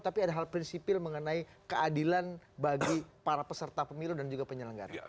tapi ada hal prinsipil mengenai keadilan bagi para peserta pemilu dan juga penyelenggara